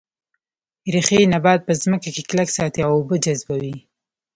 ریښې نبات په ځمکه کې کلک ساتي او اوبه جذبوي